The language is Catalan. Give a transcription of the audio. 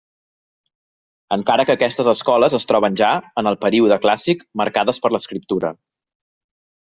Encara que aquestes escoles es troben ja, en el període clàssic, marcades per l'escriptura.